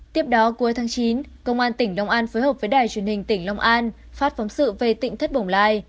tiếp đó cuối tháng chín công an tỉnh long an phối hợp với đài truyền hình tỉnh long an phát phóng sự về tỉnh thất bồng lai